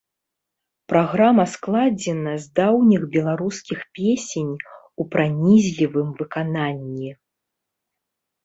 Праграма складзена з даўніх беларускіх песень у пранізлівым выкананні.